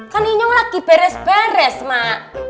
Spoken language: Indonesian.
kan inyong lagi beres beres mak